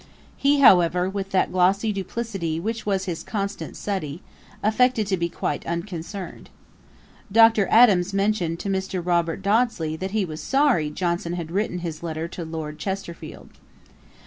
He, however, with that glossy duplicity which was his constant study, affected to be quite unconcerned. Dr. Adams mentioned to Mr. Robert Dodsley that he was sorry Johnson had written his letter to Lord Chesterfield.